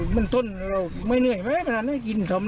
มันต้นเราไม่เหนื่อยประมาณนั้นกินสำเร็จก็กินน้ำ